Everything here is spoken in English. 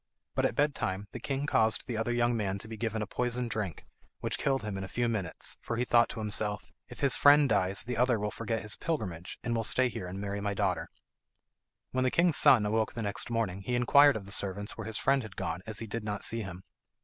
But at bed time the king caused the other young man to be given a poisoned drink, which killed him in a few minutes, for he thought to himself, "If his friend dies the other will forget his pilgrimage, and will stay here and marry my daughter." When the king's son awoke the next morning he inquired of the servants where his friend had gone, as he did not see him.